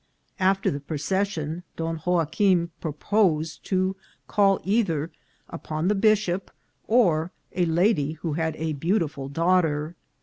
After the procession Don Joaquim proposed to call either upon the bishop or a lady who had a beautiful daughter.